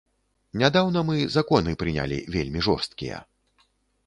Нядаўна мы законы прынялі вельмі жорсткія.